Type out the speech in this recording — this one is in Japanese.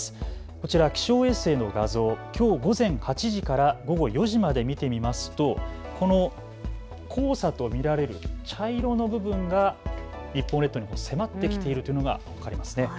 こちら気象衛星の画像、きょう午前８時から午後４時まで見てみますと、この黄砂と見られる茶色の部分が日本列島にも迫ってきているのが分かりますね。